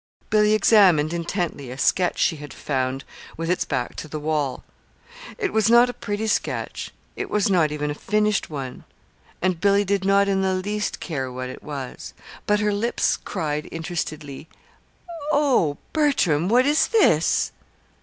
Billy examined intently a sketch she had found with its back to the wall. It was not a pretty sketch; it was not even a finished one, and Billy did not in the least care what it was. But her lips cried interestedly: "Oh, Bertram, what is this?"